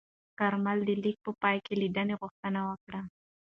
کارمل د لیک په پای کې لیدنې غوښتنه وکړه.